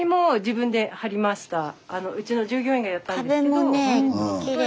うちの従業員がやったんですけど。